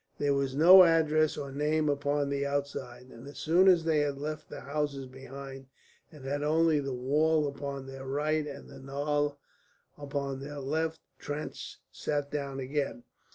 There was no address or name upon the outside, and as soon as they had left the houses behind, and had only the wall upon their right and the Nile upon their left, Trench sat down again.